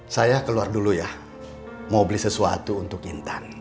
saya keluar dulu ya mau beli sesuatu untuk intan